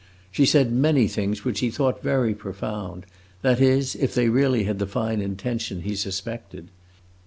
She said many things which he thought very profound that is, if they really had the fine intention he suspected.